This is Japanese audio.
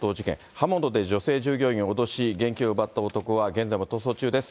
刃物で女性従業員を脅し、現金を奪った男は現在も逃走中です。